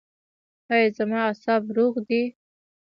ایا زما اعصاب روغ دي؟